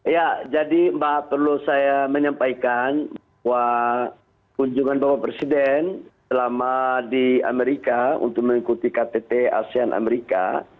ya jadi mbak perlu saya menyampaikan bahwa kunjungan bapak presiden selama di amerika untuk mengikuti ktt asean amerika